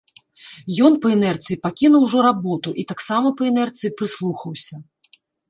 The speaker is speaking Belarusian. Ён па інерцыі пакінуў ужо работу і таксама па інерцыі прыслухаўся.